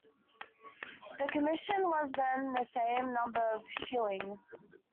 The commission was then the same number of shillings.